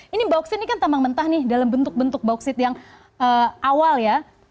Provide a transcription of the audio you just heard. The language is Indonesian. ini bauksit ini kan tambang mentah nih dalam bentuk bentuk bauksit yang awal ya